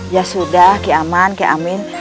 ya sudah ki aman ki amin